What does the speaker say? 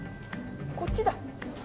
こっちだ。